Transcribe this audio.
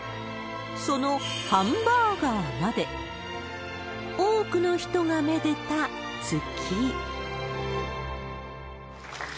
そのハンバーガーまで、多くの人がめでた月。